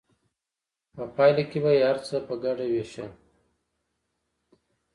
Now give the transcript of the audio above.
په پایله کې به یې هر څه په ګډه ویشل.